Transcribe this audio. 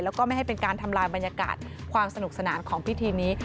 แล้วก็ไม่ให้เป็นการทำลายบรรยากาศความสนุกสนานของพิธีนี้